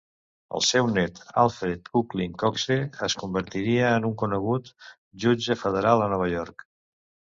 El seu net Alfred Conkling Coxe es convertiria en un reconegut jutge federal a Nova York.